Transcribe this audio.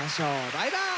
バイバーイ！